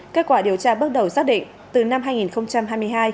kết quả điều tra bước đầu xác định từ năm hai nghìn hai mươi hai